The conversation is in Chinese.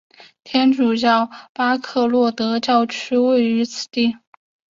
天主教巴科洛德教区位于此地。